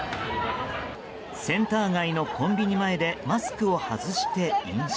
センター街のコンビニ前でマスクを外して飲酒。